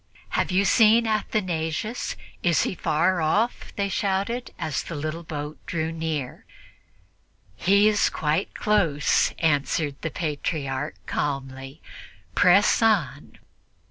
"Have you seen Athanasius? Is he far off?" they shouted, as the little boat drew near. "He is quite close," answered the Patriarch calmly; "press on."